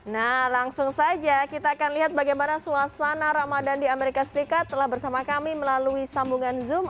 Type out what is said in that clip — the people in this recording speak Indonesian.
nah langsung saja kita akan lihat bagaimana suasana ramadan di amerika serikat telah bersama kami melalui sambungan zoom